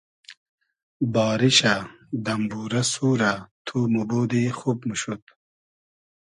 باریشۂ ، دئمبورۂ سورۂ تو موبودی خوب موشود